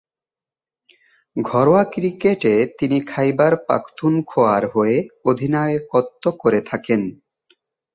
ঘরোয়া ক্রিকেটে তিনি খাইবার পাখতুনখোয়ার হয়ে অধিনায়কত্ব করে থাকেন।